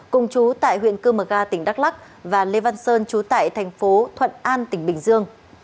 cùng chú tại huyện cư mờ ga tỉnh đắk lắc và lê văn sơn trú tại thành phố thuận an tỉnh bình dương